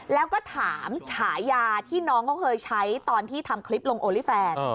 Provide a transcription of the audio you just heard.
แล้วก็ถามฉายาที่น้องเขาเคยใช้ตอนที่ทำคลิปลงโอลี่แฟน